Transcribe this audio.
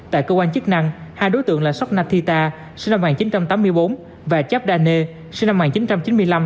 tại cơ quan chức năng hai đối tượng là sok nathita sinh năm một nghìn chín trăm tám mươi bốn và chapdane sinh năm một nghìn chín trăm chín mươi năm